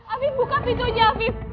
afif buka pintunya afif